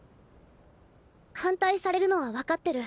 反対されるのは分かってる。